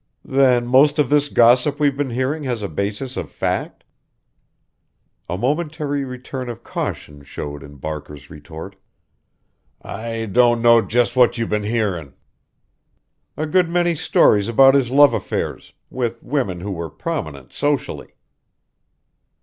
"Then most of this gossip we've been hearing has a basis of fact?" A momentary return of caution showed in Barker's retort. "I don't know just what you've been hearin'." "A good many stories about his love affairs with women who were prominent socially."